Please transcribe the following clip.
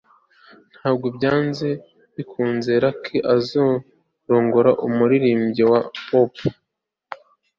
ntabwo byanze bikunze lucy azarongora umuririmbyi wa pop